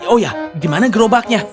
oh ya di mana gerobaknya